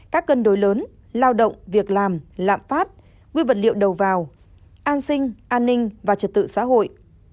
các cân đối lớn lao động việc làm lạm phát nguyên vật liệu đầu vào an sinh an ninh và trật tự xã hội